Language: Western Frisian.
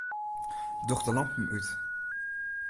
Doch de lampen út.